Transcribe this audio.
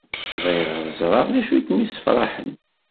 Bɣiɣ ad ẓreɣ d acu i kem-isefraḥen!